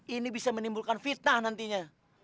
ini bisa menimbulkan fitnah nantinya